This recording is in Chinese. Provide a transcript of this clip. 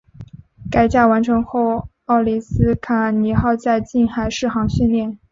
改建完成后奥里斯卡尼号在近海试航训练。